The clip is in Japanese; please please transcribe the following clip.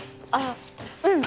うん。